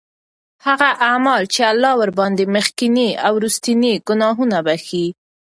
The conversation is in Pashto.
هغه أعمال چې الله ورباندي مخکيني او وروستنی ګناهونه بخښي